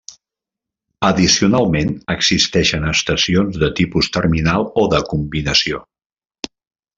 Addicionalment existeixen estacions de tipus terminal o de combinació.